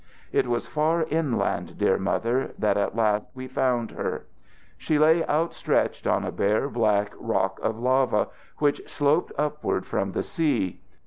"It was far inland, dear Mother, that at last we found her. She lay out stretched on a bare, black rock of lava, which sloped upward from the sea.